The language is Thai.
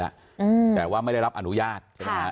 และการชุมนุมเรียบร้อยแหละแต่ว่าใช้ไม่ได้รับอนุญาต